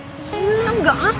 bisa diem gak